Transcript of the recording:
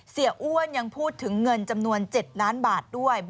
อ้วนยังพูดถึงเงินจำนวน๗ล้านบาทด้วย